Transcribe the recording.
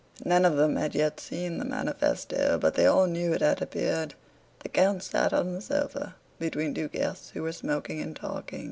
None of them had yet seen the manifesto, but they all knew it had appeared. The count sat on the sofa between two guests who were smoking and talking.